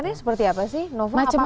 di berikan wadahnya terus sudah gitu